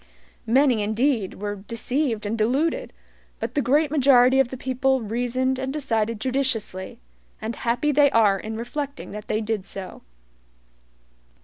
Many, indeed, were deceived and deluded, but the great majority of the people reasoned and decided judiciously; and happy they are in reflecting that they did so.